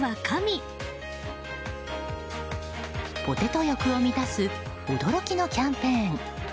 ポテト欲を満たす驚きのキャンペーン。